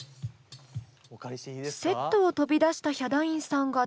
セットを飛び出したヒャダインさんが手にしたのは。